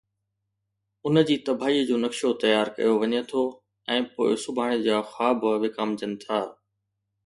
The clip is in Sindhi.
ان جي تباهيءَ جو نقشو تيار ڪيو وڃي ٿو ۽ پوءِ سڀاڻي جا خواب وڪامجن ٿا.